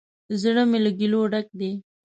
زړه می له ګیلو ډک دی